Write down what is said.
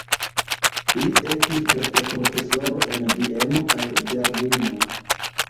Li estis gastoprofesoro en Vieno kaj Berlino.